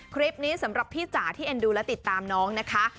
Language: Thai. คลิปนี้สำหรับพี่จ๋าที่เอ็นดูและติดตามน้องนะคะ